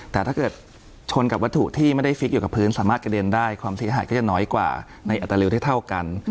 แต่ถ้าเกิดชนกับวัตถุที่ไม่ได้ฟิกอยู่กับพื้นสามารถกระเด็นได้ความเสียหายก็จะน้อยกว่าในอัตราเร็วได้เท่ากัน